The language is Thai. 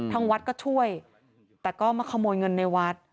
ทางวัดก็ช่วยแต่ก็มาขโมยเงินในวัด